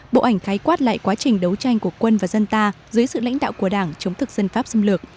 bộ ảnh khái quát lại quá trình đấu tranh của quân và dân ta dưới sự lãnh đạo của đảng chống thực dân pháp xâm lược